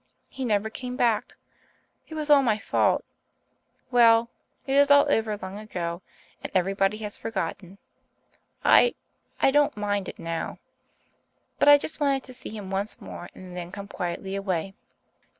He never came back. It was all my fault. Well, it is all over long ago and everybody has forgotten. I I don't mind it now. But I just wanted to see him once more and then come quietly away."